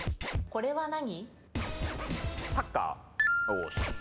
これは何？